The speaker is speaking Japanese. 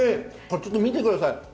ちょっと見てください。